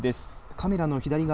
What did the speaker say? カメラの左側